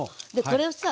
これをさ